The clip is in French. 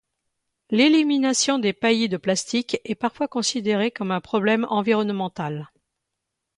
L'élimination des paillis de plastique est parfois considérée comme un problème environnemental.